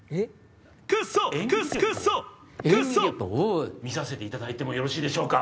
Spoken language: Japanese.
クソククソクソ見させていただいてもよろしいでしょうか？